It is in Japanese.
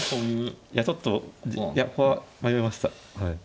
いやちょっといやここは迷いました。